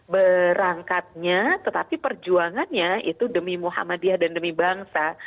berangkatnya tetapi perjuangannya itu demi muhammadiyah dan demi bangsa